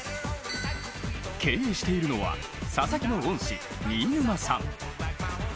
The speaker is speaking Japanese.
経営しているのは佐々木の恩師・新沼さん。